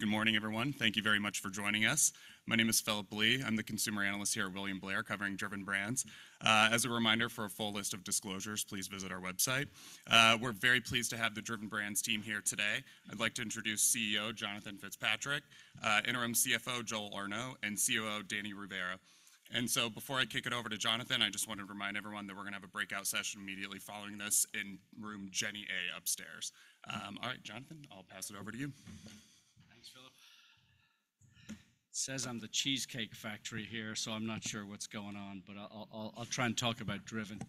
Good morning, everyone. Thank you very much for joining us. My name is Phillip Blee. I'm the consumer analyst here at William Blair, covering Driven Brands. As a reminder, for a full list of disclosures, please visit our website. We're very pleased to have the Driven Brands team here today. I'd like to introduce CEO, Jonathan Fitzpatrick, Interim CFO, Joel Arnao, and COO, Danny Rivera. And so before I kick it over to Jonathan, I just want to remind everyone that we're gonna have a breakout session immediately following this in room Jenner A upstairs. All right, Jonathan, I'll pass it over to you. Thanks, Phillip. It says I'm the Cheesecake Factory here, so I'm not sure what's going on, but I'lll, I'll try and talk about Driven.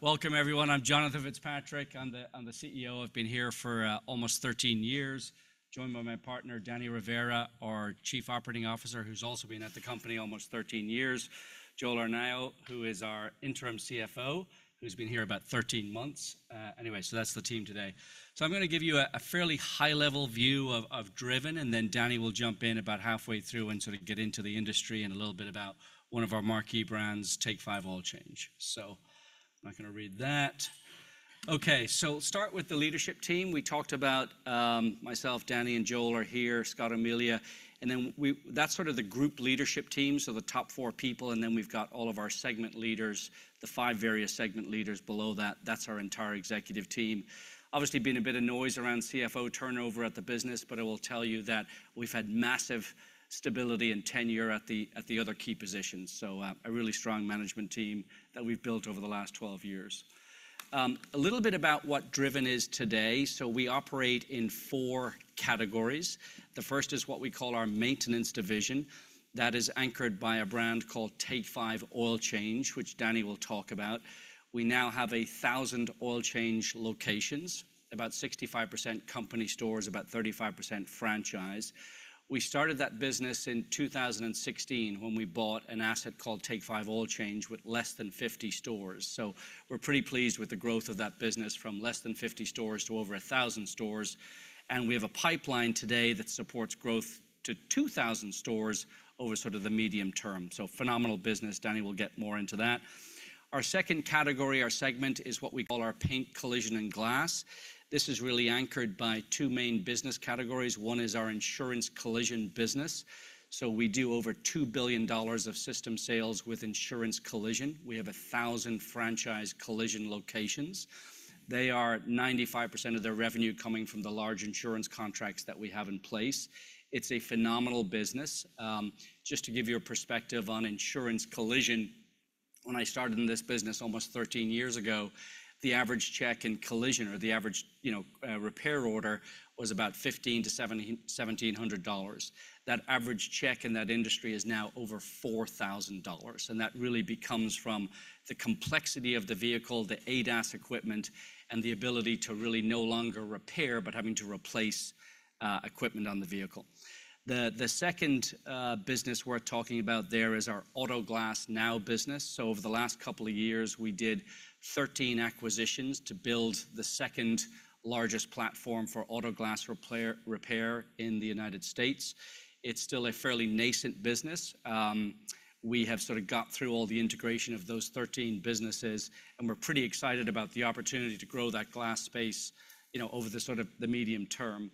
Welcome everyone. I'm Jonathan Fitzpatrick. I'm the, I'm the CEO. I've been here for almost 13 years, joined by my partner, Danny Rivera, our Chief Operating Officer, who's also been at the company almost 13 years. Joel Arnao, who is our Interim CFO, who's been here about 13 months. Anyway, so that's the team today. So I'm gonna give you a fairly high-level view of Driven, and then Danny will jump in about halfway through and sort of get into the industry and a little bit about one of our marquee brands, Take 5 Oil Change. So I'm not gonna read that. Okay, so start with the leadership team. We talked about myself, Danny, and Joel are here, Scott O'Melia, and then. That's sort of the group leadership team, so the top four people, and then we've got all of our segment leaders, the five various segment leaders below that. That's our entire executive team. Obviously, been a bit of noise around CFO turnover at the business, but I will tell you that we've had massive stability and tenure at the other key positions, so a really strong management team that we've built over the last 12 years. A little bit about what Driven is today. So we operate in four categories. The first is what we call our Maintenance Division. That is anchored by a brand called Take 5 Oil Change, which Danny will talk about. We now have 1,000 oil change locations, about 65% company stores, about 35% franchise. We started that business in 2016 when we bought an asset called Take 5 Oil Change with less than 50 stores. So we're pretty pleased with the growth of that business from less than 50 stores to over 1,000 stores. We have a pipeline today that supports growth to 2,000 stores over sort of the medium term. So phenomenal business. Danny will get more into that. Our second category, our segment, is what we call our Paint, Collision, and Glass. This is really anchored by two main business categories. One is our insurance collision business, so we do over $2 billion of system sales with insurance collision. We have 1,000 franchise collision locations. They are 95% of their revenue coming from the large insurance contracts that we have in place. It's a phenomenal business. Just to give you a perspective on insurance collision, when I started in this business almost 13 years ago, the average check in collision or the average, you know, repair order was about $1,500-$1,700. That average check in that industry is now over $4,000, and that really becomes from the complexity of the vehicle, the ADAS equipment, and the ability to really no longer repair, but having to replace equipment on the vehicle. The second business worth talking about there is our Auto Glass Now business. So over the last couple of years, we did 13 acquisitions to build the second largest platform for auto glass repair in the United States. It's still a fairly nascent business. We have sort of got through all the integration of those 13 businesses, and we're pretty excited about the opportunity to grow that glass space, you know, over the sort of the medium term.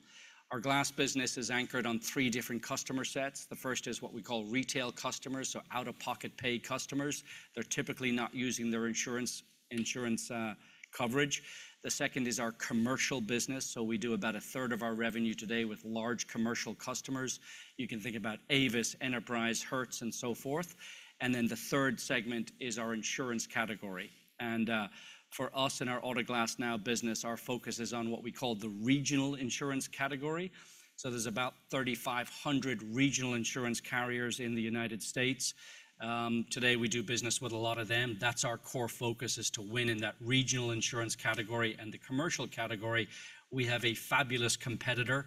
Our glass business is anchored on three different customer sets. The first is what we call retail customers, so out-of-pocket pay customers. They're typically not using their insurance coverage. The second is our commercial business, so we do about a third of our revenue today with large commercial customers. You can think about Avis, Enterprise, Hertz, and so forth. And then the third segment is our insurance category. And, for us in our Auto Glass Now business, our focus is on what we call the regional insurance category. So there's about 3,500 regional insurance carriers in the United States. Today, we do business with a lot of them. That's our core focus, is to win in that regional insurance category and the commercial category. We have a fabulous competitor,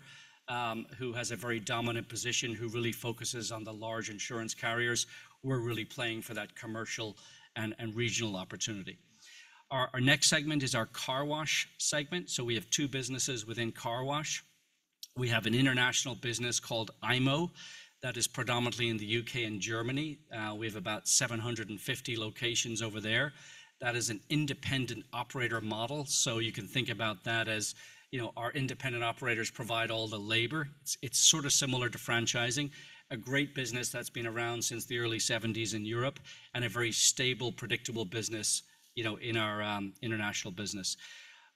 who has a very dominant position, who really focuses on the large insurance carriers. We're really playing for that commercial and regional opportunity. Our next segment is our car wash segment, so we have two businesses within car wash. We have an international business called IMO that is predominantly in the U.K. and Germany. We have about 750 locations over there. That is an independent operator model, so you can think about that as, you know, our independent operators provide all the labor. It's sort of similar to franchising. A great business that's been around since the early 1970s in Europe and a very stable, predictable business, you know, in our international business.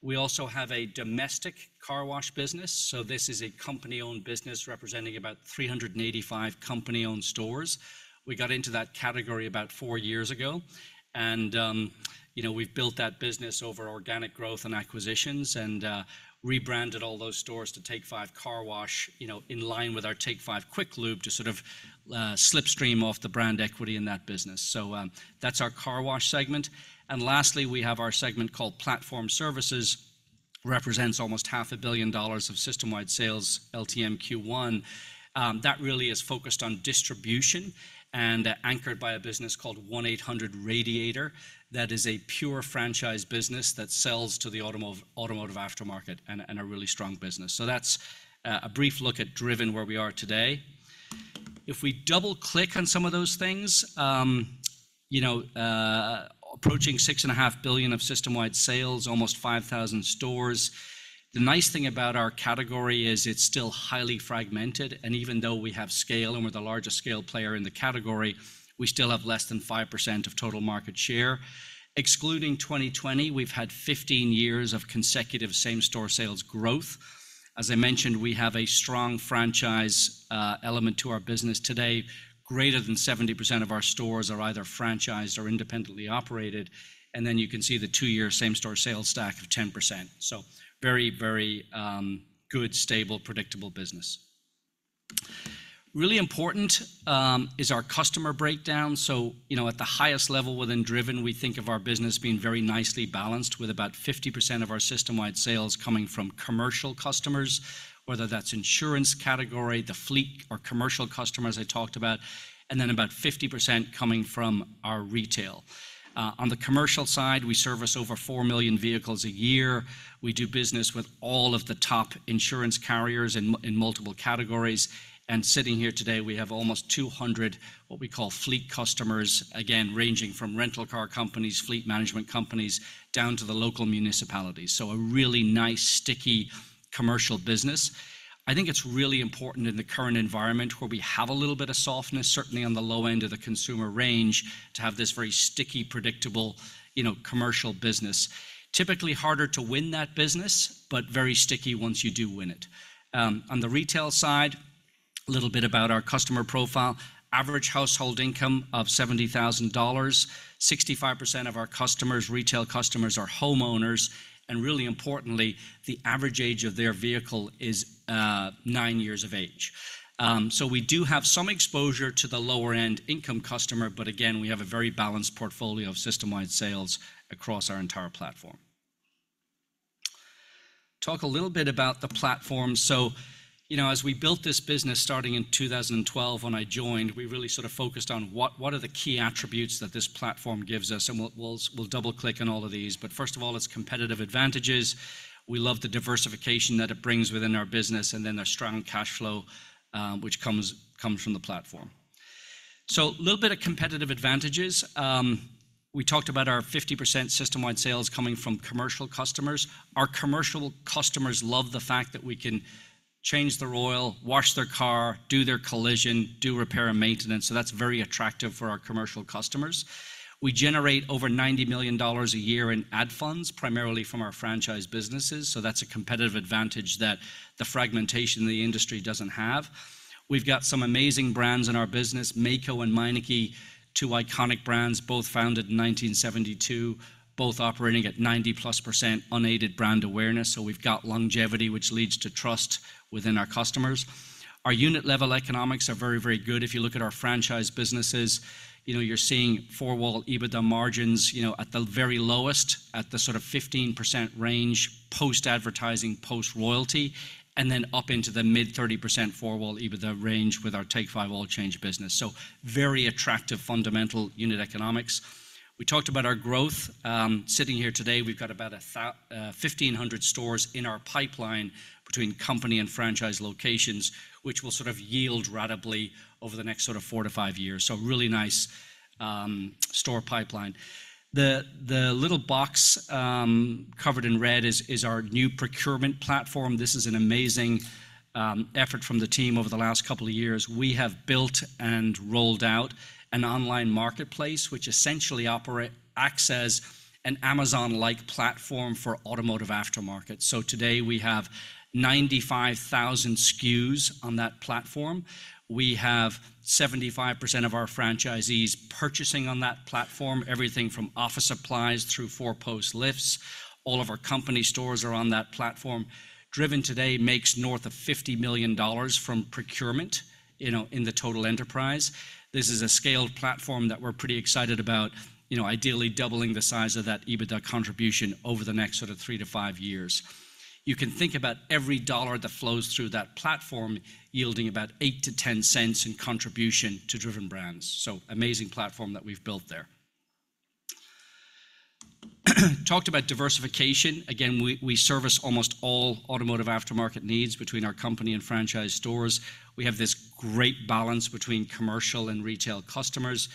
We also have a domestic car wash business, so this is a company-owned business representing about 385 company-owned stores. We got into that category about 4 years ago, and, you know, we've built that business over organic growth and acquisitions and rebranded all those stores to Take 5 Car Wash, you know, in line with our Take 5 quick lube to sort of slipstream off the brand equity in that business. So, that's our car wash segment. And lastly, we have our segment called Platform Services, represents almost $500 million of system-wide sales, LTM Q1. That really is focused on distribution and anchored by a business called 1-800-RADIATOR. That is a pure franchise business that sells to the automotive aftermarket and a really strong business. So that's a brief look at Driven, where we are today. If we double-click on some of those things, you know, approaching $6.5 billion of system-wide sales, almost 5,000 stores. The nice thing about our category is it's still highly fragmented, and even though we have scale, and we're the largest scale player in the category, we still have less than 5% of total market share. Excluding 2020, we've had 15 years of consecutive same-store sales growth. As I mentioned, we have a strong franchise element to our business. Today, greater than 70% of our stores are either franchised or independently operated, and then you can see the two-year same-store sales stack of 10%. So very, very good, stable, predictable business. Really important is our customer breakdown. So, you know, at the highest level within Driven, we think of our business being very nicely balanced, with about 50% of our system-wide sales coming from commercial customers, whether that's insurance category, the fleet or commercial customers I talked about, and then about 50% coming from our retail. On the commercial side, we service over 4 million vehicles a year. We do business with all of the top insurance carriers in multiple categories, and sitting here today, we have almost 200, what we call fleet customers, again, ranging from rental car companies, fleet management companies, down to the local municipalities. So a really nice, sticky commercial business. I think it's really important in the current environment, where we have a little bit of softness, certainly on the low end of the consumer range, to have this very sticky, predictable, you know, commercial business. Typically harder to win that business, but very sticky once you do win it. On the retail side, a little bit about our customer profile. Average household income of $70,000, 65% of our customers, retail customers, are homeowners, and really importantly, the average age of their vehicle is nine years of age. So we do have some exposure to the lower-end income customer, but again, we have a very balanced portfolio of system-wide sales across our entire platform. Talk a little bit about the platform. So, you know, as we built this business, starting in 2012, when I joined, we really sort of focused on what are the key attributes that this platform gives us, and we'll double-click on all of these. But first of all, it's competitive advantages. We love the diversification that it brings within our business, and then the strong cash flow, which comes from the platform. So a little bit of competitive advantages. We talked about our 50% system-wide sales coming from commercial customers. Our commercial customers love the fact that we can change their oil, wash their car, do their collision, do repair and maintenance, so that's very attractive for our commercial customers. We generate over $90 million a year in ad funds, primarily from our franchise businesses, so that's a competitive advantage that the fragmentation in the industry doesn't have. We've got some amazing brands in our business, Maaco and Meineke, two iconic brands, both founded in 1972, both operating at 90%+ unaided brand awareness, so we've got longevity, which leads to trust within our customers. Our unit-level economics are very, very good. If you look at our franchise businesses, you know, you're seeing four-wall EBITDA margins, you know, at the very lowest, at the sort of 15% range, post-advertising, post-royalty, and then up into the mid-30% four-wall EBITDA range with our Take 5 Oil Change business. So very attractive, fundamental unit economics. We talked about our growth. Sitting here today, we've got about 1,500 stores in our pipeline between company and franchise locations, which will sort of yield ratably over the next sort of 4-5 years. So a really nice store pipeline. The little box covered in red is our new procurement platform. This is an amazing effort from the team over the last couple of years. We have built and rolled out an online marketplace, which essentially acts as an Amazon-like platform for automotive aftermarket. So today, we have 95,000 SKUs on that platform. We have 75% of our franchisees purchasing on that platform, everything from office supplies through four-post lifts. All of our company stores are on that platform. Driven today makes north of $50 million from procurement, you know, in the total enterprise. This is a scaled platform that we're pretty excited about, you know, ideally doubling the size of that EBITDA contribution over the next sort of 3-5 years. You can think about every dollar that flows through that platform yielding about $0.08-$0.10 in contribution to Driven Brands. So amazing platform that we've built there. Talked about diversification. Again, we service almost all automotive aftermarket needs between our company and franchise stores. We have this great balance between commercial and retail customers.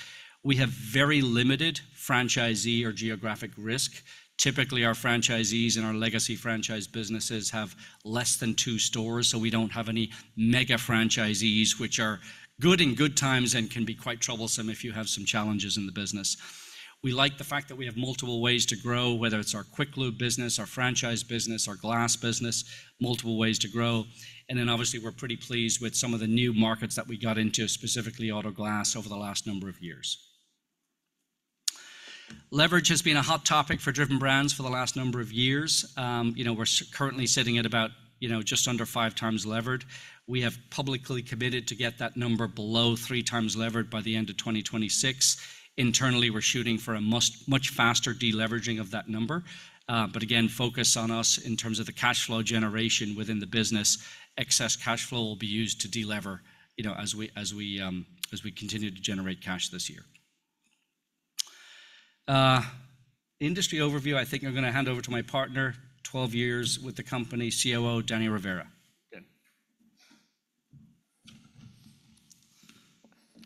We have very limited franchisee or geographic risk. Typically, our franchisees and our legacy franchise businesses have less than 2 stores, so we don't have any mega franchisees, which are good in good times and can be quite troublesome if you have some challenges in the business. We like the fact that we have multiple ways to grow, whether it's our Quick Lube business, our franchise business, our glass business, multiple ways to grow. Then obviously, we're pretty pleased with some of the new markets that we got into, specifically auto glass, over the last number of years. Leverage has been a hot topic for Driven Brands for the last number of years. You know, we're currently sitting at about, you know, just under 5x levered. We have publicly committed to get that number below 3x levered by the end of 2026. Internally, we're shooting for a much faster deleveraging of that number. But again, focus on us in terms of the cash flow generation within the business. Excess cash flow will be used to delever, you know, as we continue to generate cash this year. Industry overview, I think I'm gonna hand over to my partner, 12 years with the company, COO Danny Rivera. Dan?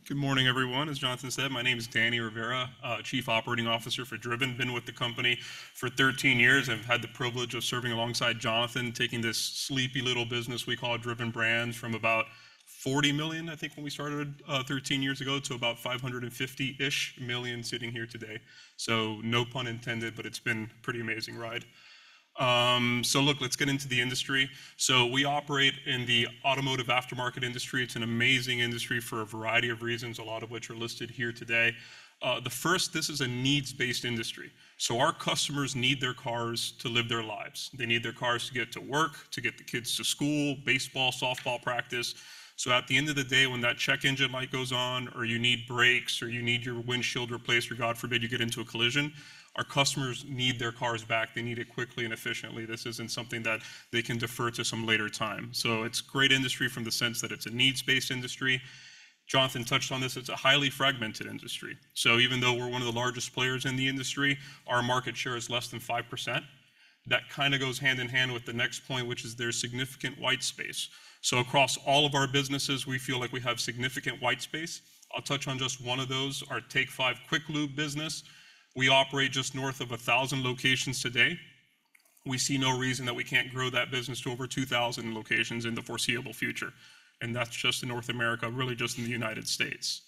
Good morning, everyone. As Jonathan said, my name is Danny Rivera, Chief Operating Officer for Driven. Been with the company for 13 years, and I've had the privilege of serving alongside Jonathan, taking this sleepy little business we call Driven Brands from about $40 million, I think, when we started, 13 years ago, to about $550-ish million sitting here today. So no pun intended, but it's been a pretty amazing ride. So look, let's get into the industry. So we operate in the automotive aftermarket industry. It's an amazing industry for a variety of reasons, a lot of which are listed here today. The first, this is a needs-based industry, so our customers need their cars to live their lives. They need their cars to get to work, to get the kids to school, baseball, softball practice. At the end of the day, when that check engine light goes on, or you need brakes, or you need your windshield replaced, or God forbid, you get into a collision, our customers need their cars back. They need it quickly and efficiently. This isn't something that they can defer to some later time. It's a great industry from the sense that it's a needs-based industry. Jonathan touched on this, it's a highly fragmented industry. Even though we're one of the largest players in the industry, our market share is less than 5%. That kind of goes hand in hand with the next point, which is there's significant white space. Across all of our businesses, we feel like we have significant white space. I'll touch on just one of those, our Take 5 Quick Lube business. We operate just north of 1,000 locations today. We see no reason that we can't grow that business to over 2,000 locations in the foreseeable future, and that's just in North America, really just in the United States.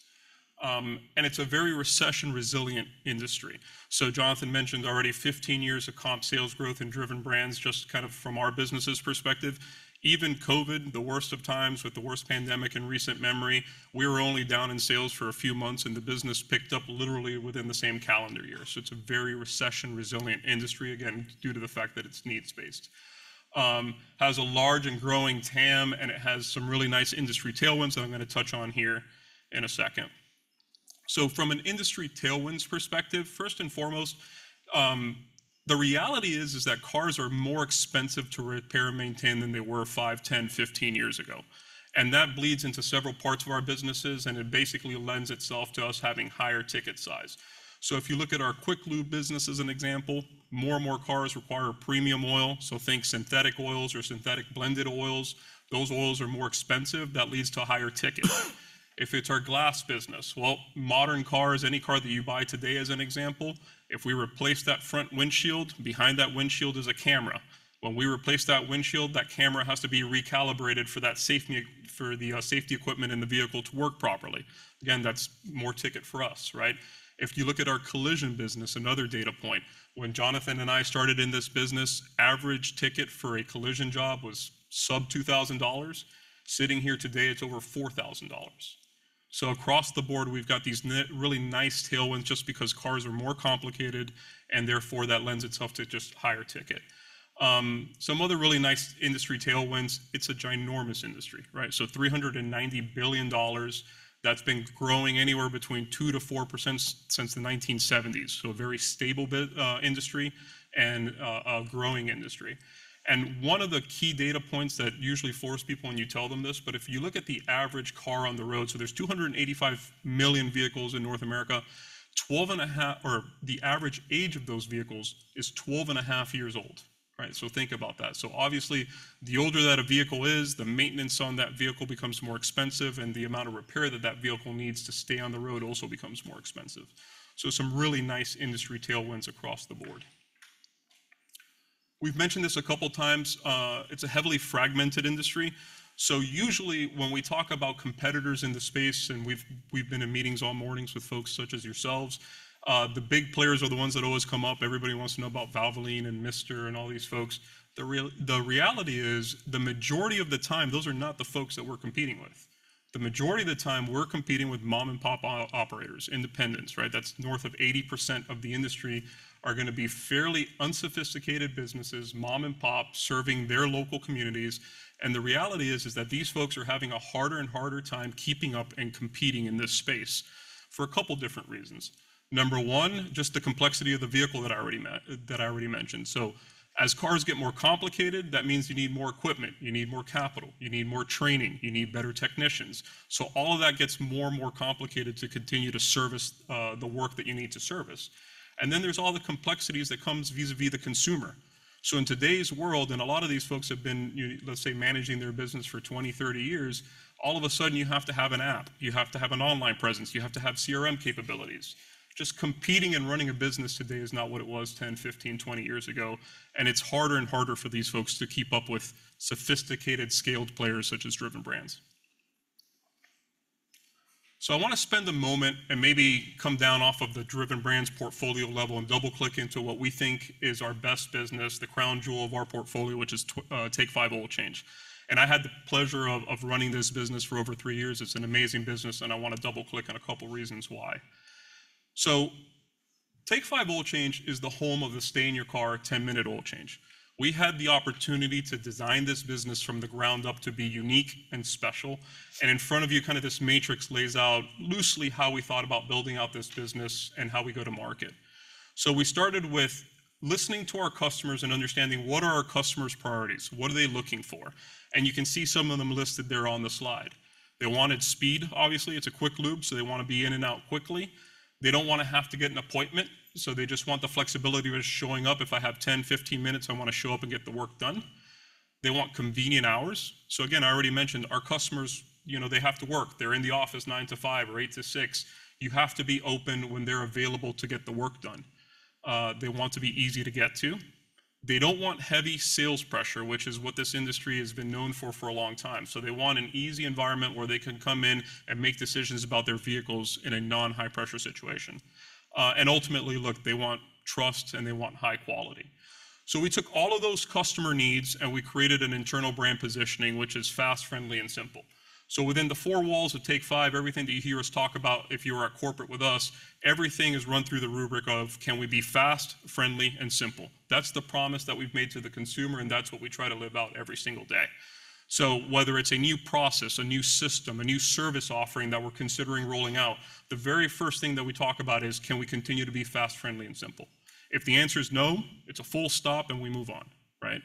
It's a very recession-resilient industry. So Jonathan mentioned already 15 years of comp sales growth in Driven Brands, just kind of from our business's perspective. Even COVID, the worst of times, with the worst pandemic in recent memory, we were only down in sales for a few months, and the business picked up literally within the same calendar year. So it's a very recession-resilient industry, again, due to the fact that it's needs-based, has a large and growing TAM, and it has some really nice industry tailwinds that I'm gonna touch on here in a second. So from an industry tailwinds perspective, first and foremost, the reality is that cars are more expensive to repair and maintain than they were five, 10, 15 years ago. And that bleeds into several parts of our businesses, and it basically lends itself to us having higher ticket size. So if you look at our Quick Lube business as an example, more and more cars require premium oil, so think synthetic oils or synthetic blended oils. Those oils are more expensive. That leads to higher ticket. If it's our glass business, well, modern cars, any car that you buy today, as an example, if we replace that front windshield, behind that windshield is a camera. When we replace that windshield, that camera has to be recalibrated for the safety equipment in the vehicle to work properly. Again, that's more ticket for us, right? If you look at our collision business, another data point, when Jonathan and I started in this business, average ticket for a collision job was sub $2,000. Sitting here today, it's over $4,000. So across the board, we've got these really nice tailwinds just because cars are more complicated, and therefore, that lends itself to just higher ticket. Some other really nice industry tailwinds, it's a ginormous industry, right? So $390 billion that's been growing anywhere between 2%-4% since the 1970s, so a very stable industry and, a growing industry. And one of the key data points that usually floors people when you tell them this, but if you look at the average car on the road, so there's 285 million vehicles in North America, 12.5... or the average age of those vehicles is 12.5 years old, right? So think about that. So obviously, the older that a vehicle is, the maintenance on that vehicle becomes more expensive, and the amount of repair that that vehicle needs to stay on the road also becomes more expensive. So some really nice industry tailwinds across the board. We've mentioned this a couple times, it's a heavily fragmented industry. So usually, when we talk about competitors in the space, and we've, we've been in meetings all mornings with folks such as yourselves, the big players are the ones that always come up. Everybody wants to know about Valvoline and Mister and all these folks. The reality is, the majority of the time, those are not the folks that we're competing with. The majority of the time, we're competing with mom-and-pop operators, independents, right? That's north of 80% of the industry are gonna be fairly unsophisticated businesses, mom and pop, serving their local communities, and the reality is that these folks are having a harder and harder time keeping up and competing in this space for a couple different reasons. Number one, just the complexity of the vehicle that I already mentioned. So as cars get more complicated, that means you need more equipment, you need more capital, you need more training, you need better technicians. So all of that gets more and more complicated to continue to service the work that you need to service. And then there's all the complexities that comes vis-à-vis the consumer. So in today's world, and a lot of these folks have been, you know, let's say, managing their business for 20, 30 years, all of a sudden, you have to have an app, you have to have an online presence, you have to have CRM capabilities. Just competing and running a business today is not what it was 10, 15, 20 years ago, and it's harder and harder for these folks to keep up with sophisticated, scaled players such as Driven Brands. So I wanna spend a moment and maybe come down off of the Driven Brands portfolio level and double-click into what we think is our best business, the crown jewel of our portfolio, which is Take 5 Oil Change. And I had the pleasure of, of running this business for over 3 years. It's an amazing business, and I wanna double-click on a couple reasons why. So Take 5 Oil Change is the home of the stay-in-your-car, 10-minute oil change. We had the opportunity to design this business from the ground up to be unique and special, and in front of you, kind of this matrix lays out loosely how we thought about building out this business and how we go to market. So we started with listening to our customers and understanding, what are our customers' priorities? What are they looking for? And you can see some of them listed there on the slide.... They wanted speed, obviously. It's a quick lube, so they wanna be in and out quickly. They don't wanna have to get an appointment, so they just want the flexibility of just showing up. If I have 10, 15 minutes, I wanna show up and get the work done. They want convenient hours. So again, I already mentioned, our customers, you know, they have to work. They're in the office 9 to 5 or 8 to 6. You have to be open when they're available to get the work done. They want to be easy to get to. They don't want heavy sales pressure, which is what this industry has been known for for a long time. So they want an easy environment where they can come in and make decisions about their vehicles in a non-high-pressure situation. And ultimately, look, they want trust, and they want high quality. So we took all of those customer needs, and we created an internal brand positioning, which is fast, friendly, and simple. So within the four walls of Take Five, everything that you hear us talk about, if you are at corporate with us, everything is run through the rubric of: Can we be fast, friendly, and simple? That's the promise that we've made to the consumer, and that's what we try to live out every single day. Whether it's a new process, a new system, a new service offering that we're considering rolling out, the very first thing that we talk about is: Can we continue to be fast, friendly, and simple? If the answer is no, it's a full stop, and we move on, right?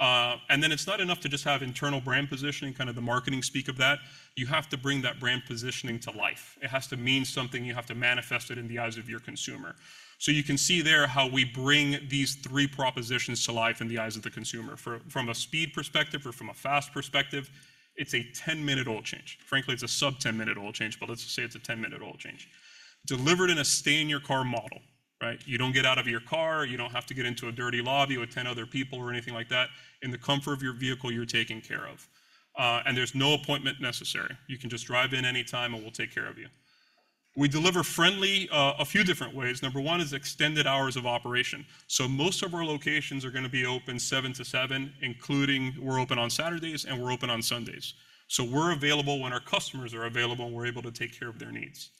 And then it's not enough to just have internal brand positioning, kind of the marketing speak of that. You have to bring that brand positioning to life. It has to mean something. You have to manifest it in the eyes of your consumer. So you can see there how we bring these three propositions to life in the eyes of the consumer. From a speed perspective or from a fast perspective, it's a 10-minute oil change. Frankly, it's a sub-10-minute oil change, but let's just say it's a 10-minute oil change, delivered in a stay-in-your-car model, right? You don't get out of your car. You don't have to get into a dirty lobby with 10 other people or anything like that. In the comfort of your vehicle, you're taken care of, and there's no appointment necessary. You can just drive in any time, and we'll take care of you. We deliver friendly, a few different ways. Number one is extended hours of operation. So most of our locations are gonna be open 7 to 7, including we're open on Saturdays, and we're open on Sundays. So we're available when our customers are available, and we're able to take care of their needs.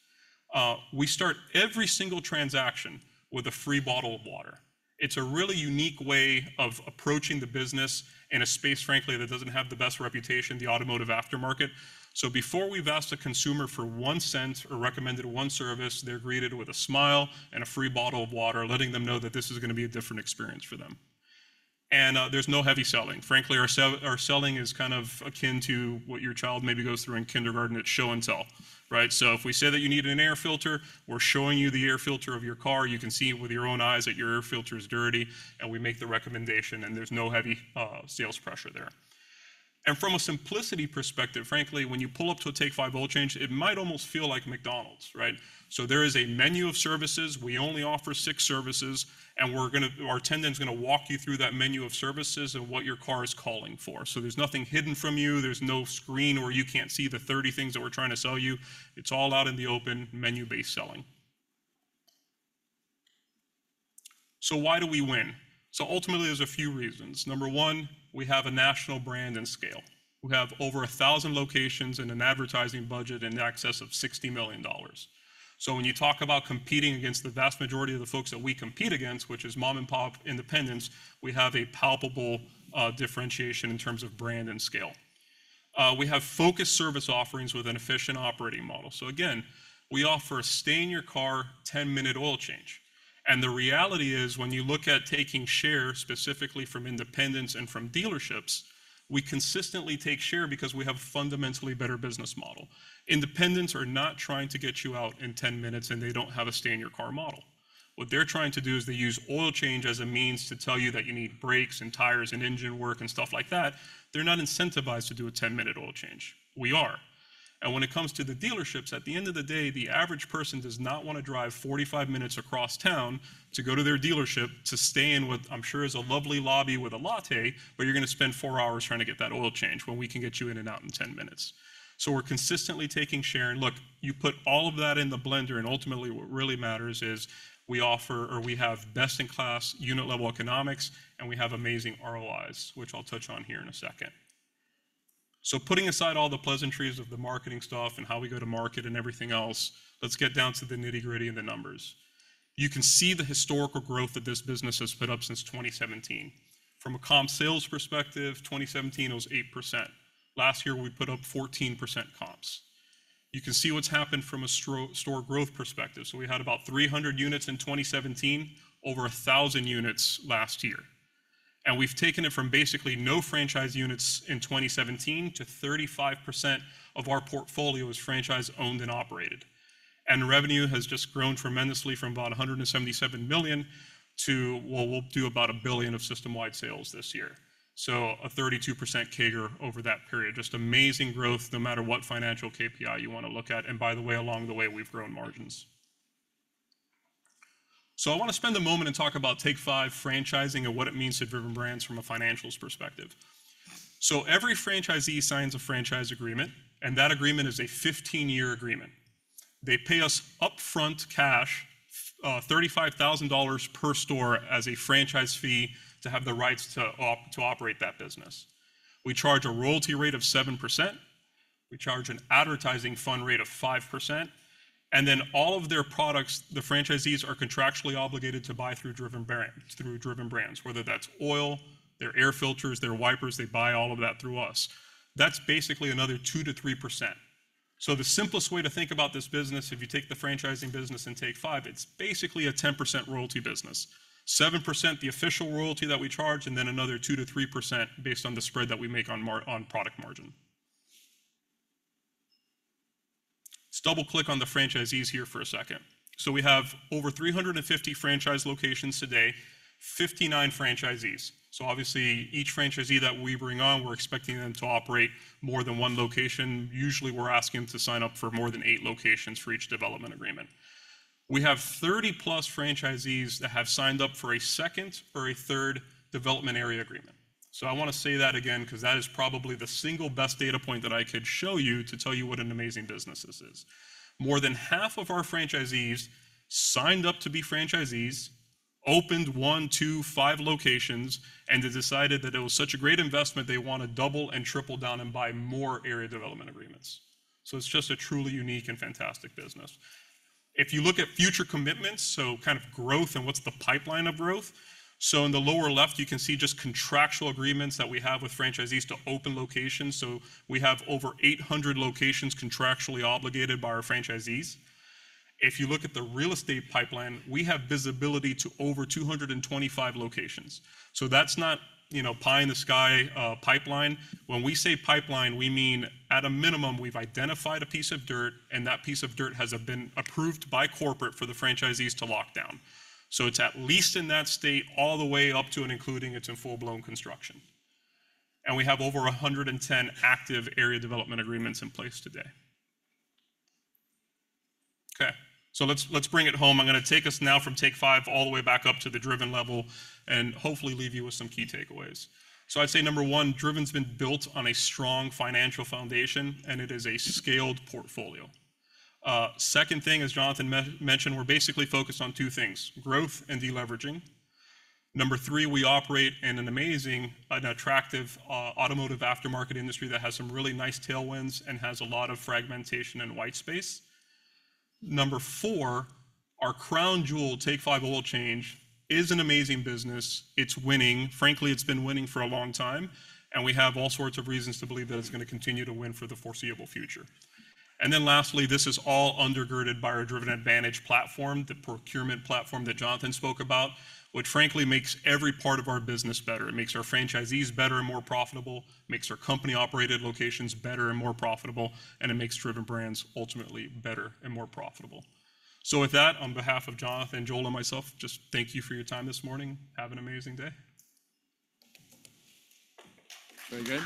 We start every single transaction with a free bottle of water. It's a really unique way of approaching the business in a space, frankly, that doesn't have the best reputation, the automotive aftermarket. So before we've asked a consumer for one cent or recommended one service, they're greeted with a smile and a free bottle of water, letting them know that this is gonna be a different experience for them. And, there's no heavy selling. Frankly, our selling is kind of akin to what your child maybe goes through in kindergarten at show and tell, right? So if we say that you need an air filter, we're showing you the air filter of your car. You can see it with your own eyes that your air filter is dirty, and we make the recommendation, and there's no heavy, sales pressure there. From a simplicity perspective, frankly, when you pull up to a Take 5 oil change, it might almost feel like McDonald's, right? There is a menu of services. We only offer 6 services, and we're gonna—our attendant's gonna walk you through that menu of services and what your car is calling for. There's nothing hidden from you. There's no screen where you can't see the 30 things that we're trying to sell you. It's all out in the open, menu-based selling. Why do we win? Ultimately, there's a few reasons. Number one, we have a national brand and scale. We have over 1,000 locations and an advertising budget in excess of $60 million. So when you talk about competing against the vast majority of the folks that we compete against, which is mom-and-pop independents, we have a palpable differentiation in terms of brand and scale. We have focused service offerings with an efficient operating model. So again, we offer a stay-in-your-car, 10-minute oil change, and the reality is, when you look at taking share, specifically from independents and from dealerships, we consistently take share because we have a fundamentally better business model. Independents are not trying to get you out in 10 minutes, and they don't have a stay-in-your-car model. What they're trying to do is they use oil change as a means to tell you that you need brakes and tires and engine work and stuff like that. They're not incentivized to do a 10-minute oil change. We are. When it comes to the dealerships, at the end of the day, the average person does not wanna drive 45 minutes across town to go to their dealership to stay in what I'm sure is a lovely lobby with a latte, but you're gonna spend 4 hours trying to get that oil change when we can get you in and out in 10 minutes. We're consistently taking share, and look, you put all of that in the blender, and ultimately, what really matters is we offer or we have best-in-class unit-level economics, and we have amazing ROIs, which I'll touch on here in a second. Putting aside all the pleasantries of the marketing stuff and how we go to market and everything else, let's get down to the nitty-gritty and the numbers. You can see the historical growth that this business has put up since 2017. From a comp sales perspective, 2017 was 8%. Last year, we put up 14% comps. You can see what's happened from a store growth perspective. So we had about 300 units in 2017, over 1,000 units last year, and we've taken it from basically no franchise units in 2017 to 35% of our portfolio is franchise-owned and operated. And revenue has just grown tremendously from about $177 million to... Well, we'll do about $1 billion of system-wide sales this year, so a 32% CAGR over that period. Just amazing growth, no matter what financial KPI you wanna look at, and by the way, along the way, we've grown margins. So I wanna spend a moment and talk about Take Five franchising and what it means to Driven Brands from a financials perspective. So every franchisee signs a franchise agreement, and that agreement is a 15-year agreement. They pay us upfront cash, $35,000 per store, as a franchise fee to have the rights to operate that business. We charge a royalty rate of 7%. We charge an advertising fund rate of 5%, and then all of their products, the franchisees are contractually obligated to buy through Driven Brands, whether that's oil, their air filters, their wipers, they buy all of that through us. That's basically another 2%-3%.... So the simplest way to think about this business, if you take the franchising business in Take Five, it's basically a 10% royalty business. 7%, the official royalty that we charge, and then another 2%-3% based on the spread that we make on product margin. Let's double-click on the franchisees here for a second. So we have over 350 franchise locations today, 59 franchisees. So obviously, each franchisee that we bring on, we're expecting them to operate more than one location. Usually, we're asking them to sign up for more than 8 locations for each development agreement. We have 30+ franchisees that have signed up for a second or a third development area agreement. So I wanna say that again, 'cause that is probably the single best data point that I could show you to tell you what an amazing business this is. More than half of our franchisees signed up to be franchisees, opened one, two, five locations, and they decided that it was such a great investment, they wanna double and triple down and buy more area development agreements. So it's just a truly unique and fantastic business. If you look at future commitments, so kind of growth and what's the pipeline of growth, so in the lower left, you can see just contractual agreements that we have with franchisees to open locations. So we have over 800 locations contractually obligated by our franchisees. If you look at the real estate pipeline, we have visibility to over 225 locations, so that's not, you know, pie-in-the-sky pipeline. When we say pipeline, we mean, at a minimum, we've identified a piece of dirt, and that piece of dirt has been approved by corporate for the franchisees to lock down. So it's at least in that state all the way up to, and including, it's in full-blown construction. And we have over 110 active area development agreements in place today. Okay, so let's bring it home. I'm gonna take us now from Take 5 all the way back up to the Driven level, and hopefully leave you with some key takeaways. So I'd say number one, Driven's been built on a strong financial foundation, and it is a scaled portfolio. Second thing, as Jonathan mentioned, we're basically focused on two things: growth and deleveraging. Number three, we operate in an amazing and attractive automotive aftermarket industry that has some really nice tailwinds and has a lot of fragmentation and white space. Number four, our crown jewel, Take 5 Oil Change, is an amazing business. It's winning. Frankly, it's been winning for a long time, and we have all sorts of reasons to believe that it's gonna continue to win for the foreseeable future. And then lastly, this is all undergirded by our Driven Advantage platform, the procurement platform that Jonathan spoke about, which frankly makes every part of our business better. It makes our franchisees better and more profitable, makes our company-operated locations better and more profitable, and it makes Driven Brands ultimately better and more profitable. So with that, on behalf of Jonathan, Joel, and myself, just thank you for your time this morning. Have an amazing day. Very good.